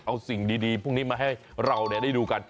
เอาสิ่งดีพวกนี้มาให้เราได้ดูกัน